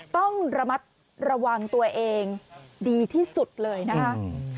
ต้องระมัดระวังตัวเองดีที่สุดเลยนะคะ